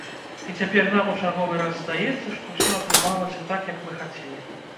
І цяпер нам у чарговы раз здаецца, што усё атрымалася так, як мы хацелі.